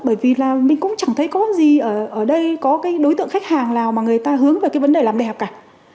bởi vì là mình cũng chẳng thấy có gì ở đây có cái đối tượng khách hàng nào mà người ta hướng về cái vấn đề làm đẹp cả